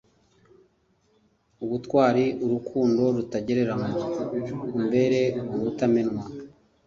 ubutwari, rukundo rutagereranywa, umbere umutamenwa